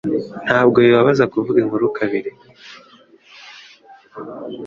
Ntabwo bibabaza kuvuga inkuru kabiri.